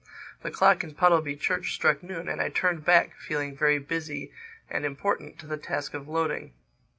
The clock in Puddleby Church struck noon and I turned back, feeling very busy and important, to the task of loading.